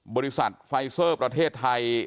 บริษัทไฟเซอร์ประเทศไทย